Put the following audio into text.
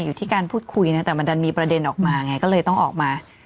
อยู่ที่การพูดคุยนะแต่มันดันมีประเด็นออกมาไงก็เลยต้องออกมา